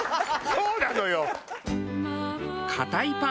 そうなのよ。